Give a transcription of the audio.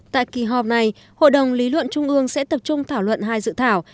tại kỳ họp này hội đồng lý luận trung ương sẽ tập trung thảo luận hai dự thảo